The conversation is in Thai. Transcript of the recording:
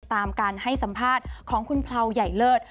ตามการให้สัมภาษณ์ของคุณเลาใหญ่เลิศ